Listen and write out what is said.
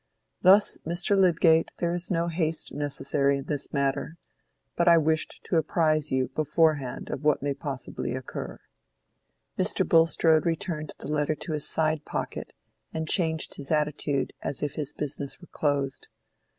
Thus, Mr. Lydgate, there is no haste necessary in this matter; but I wished to apprise you beforehand of what may possibly occur." Mr. Bulstrode returned the letter to his side pocket, and changed his attitude as if his business were closed.